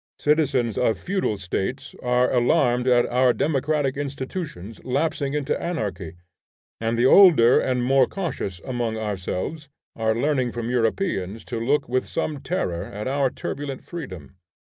Citizens of feudal states are alarmed at our democratic institutions lapsing into anarchy, and the older and more cautious among ourselves are learning from Europeans to look with some terror at our turbulent freedom.